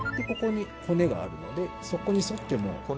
ここに骨があるのでそこに沿ってもう。